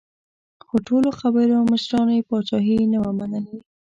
خو ټولو قبایلو او مشرانو یې پاچاهي نه وه منلې.